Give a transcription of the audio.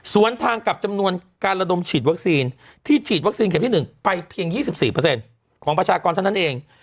ส่วนทางกับจำนวนการระดมฉีดวัคซีนที่ฉีดวัคซีนเข็มที่๑ไปเพียง๒๔ของประชากรเท่านั้นเอง